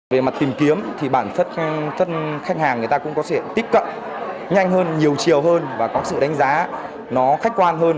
về mặt tìm kiếm thì bản thân khách hàng người ta cũng có thể tích cận nhanh hơn nhiều chiều hơn và có sự đánh giá nó khách quan hơn